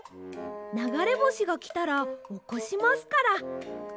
ながれぼしがきたらおこしますから。